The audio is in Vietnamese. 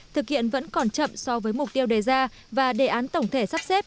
thực hiện vẫn còn chậm so với mục tiêu đề ra và đề án tổng thể sắp xếp